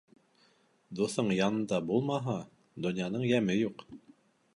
Дуҫың янында булмаһа, донъяның йәме юҡ.